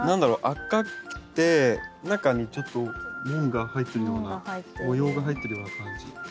赤くて中にちょっと紋が入ってるような模様が入ってるような感じ。